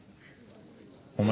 お前